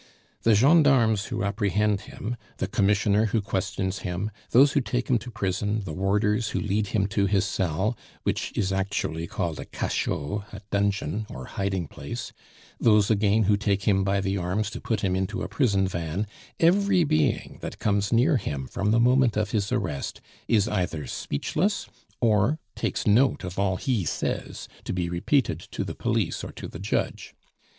The gendarmes who apprehend him, the commissioner who questions him, those who take him to prison, the warders who lead him to his cell which is actually called a cachot, a dungeon or hiding place, those again who take him by the arms to put him into a prison van every being that comes near him from the moment of his arrest is either speechless, or takes note of all he says, to be repeated to the police or to the judge.